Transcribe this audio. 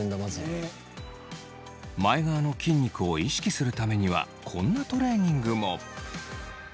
前側の筋肉を意識するためにはこんなトレーニングも。